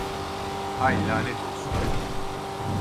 Hay lanet olsun!